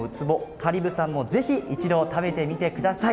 香里武さんも是非一度は食べてみてください。